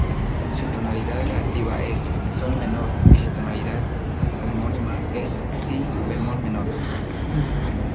Su tonalidad relativa es "sol" menor, y su tonalidad homónima es "si" bemol menor.